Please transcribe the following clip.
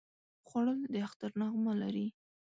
خوړل د اختر نغمه لري